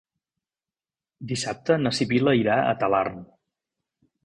Dissabte na Sibil·la irà a Talarn.